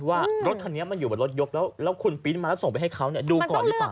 ว่ารถคันนี้มันอยู่บนรถยกแล้วคุณปริ้นต์มาแล้วส่งไปให้เขาดูก่อนหรือเปล่า